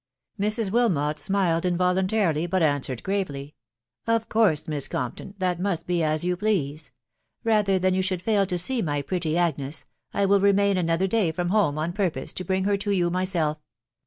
Mrs. Wilmot smiled involuntarily, but answered gravely, " Of course, Miss Compton, that must be as you please. ••. Rather than you should fail to see my pretty Agnes, I will remain another day from home on purple to bring her to you myself.